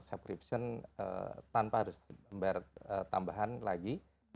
ekskripsi tanpa harus memberi tambahan lagi